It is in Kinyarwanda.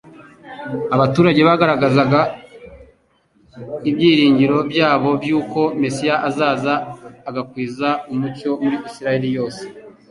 abaturage bagaragazaga ibyiringiro byabo by'uko Mesiya azaza agakwiza umucyo mu Isiraeli yose.